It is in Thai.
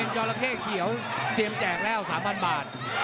จราเข้เขียวเตรียมแจกแล้ว๓๐๐บาท